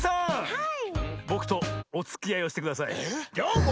はい！